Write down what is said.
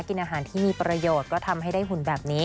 กินอาหารที่มีประโยชน์ก็ทำให้ได้หุ่นแบบนี้